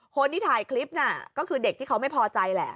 คนที่ถ่ายคลิปน่ะก็คือเด็กที่เขาไม่พอใจแหละ